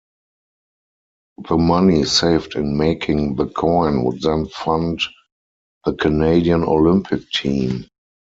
The money saved in making the coin would then fund the Canadian Olympic team.